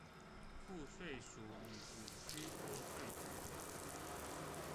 賦稅署及五區國稅局